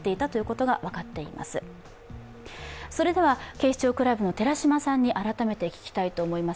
警視庁クラブの寺島さんに改めて聞きたいと思います。